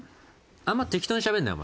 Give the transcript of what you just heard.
あんまり適当にしゃべるなよ